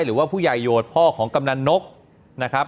หรือว่าผู้ใหญ่โหดพ่อของกำนันนกนะครับ